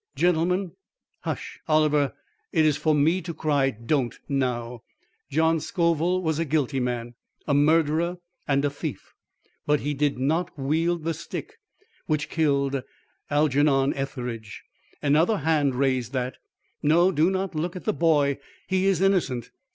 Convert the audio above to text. Gentlemen Hush! Oliver, it is for me to cry DON'T now John Scoville was a guilty man a murderer and a thief but he did not wield the stick which killed Algernon Etheridge. Another hand raised that. No, do not look at the boy. He is innocent!